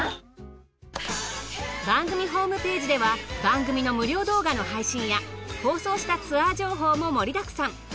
番組ホームページでは番組の無料動画の配信や放送したツアー情報も盛りだくさん。